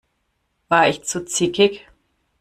War ich zu zickig?